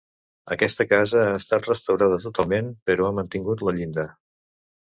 Aquesta casa ha estat restaurada totalment, però ha mantingut la llinda.